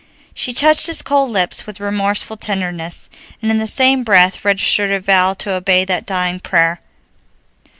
She touched his cold lips with remorseful tenderness, and in the same breath registered a vow to obey that dying prayer.